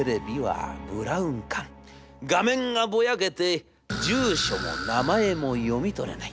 画面がぼやけて住所も名前も読み取れない。